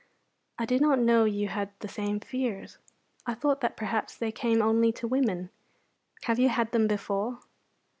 I did not know you had the same fears; I thought that perhaps they came only to women; have you had them before?